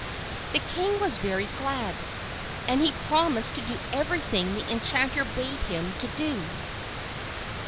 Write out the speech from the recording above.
The king was very glad, and he promised to do everything the enchanter bade him do.